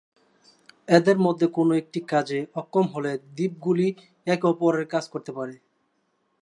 এদের মধ্যে কোন একটি কাজে অক্ষম হলে দ্বীপগুলি একে অপরের কাজ করতে পারে।